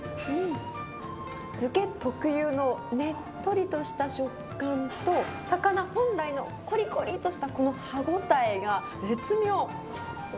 漬け特有のねっとりとした食感と、魚本来のこりこりっとしたこの歯応えが、絶妙。